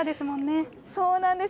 そうなんです。